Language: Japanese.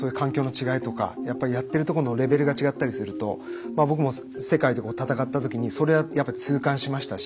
違いとかやっぱりやってるとこのレベルが違ったりすると僕も世界で戦った時にそれはやっぱ痛感しましたし。